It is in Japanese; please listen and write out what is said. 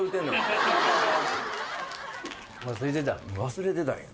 忘れてたんや。